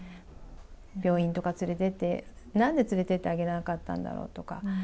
病院とか連れてって、なんで連れてってあげなかったんだろうとか。